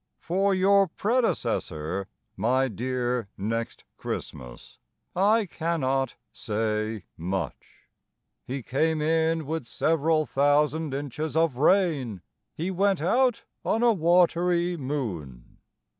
For your predecessor, My dear Next Christmas, I cannot say much. He came in with several thousand inches of rain; He went out on a watery moon.